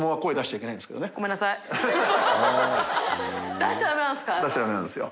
出しちゃダメなんですよ。